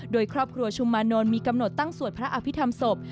โดยครอบครัวชุมมานนท์มีกำหนดตั้งสวดพระอภิษฐรรมศพ